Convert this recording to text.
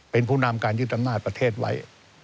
เป็นผู้นำการยึดอำนาจประเทศไว้